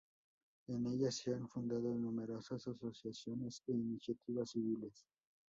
En ella se han fundado numerosas asociaciones e iniciativas civiles.